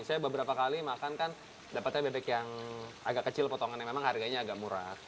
saya beberapa kali makan kan dapatnya bebek yang agak kecil potongan yang memang harganya agak murah